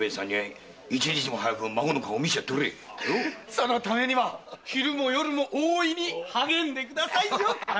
そのためにも昼も夜も大いに励んでくださいよ頭！